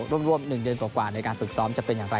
ร่วม๑เดือนกว่าในการฝึกซ้อมจะเป็นอย่างไร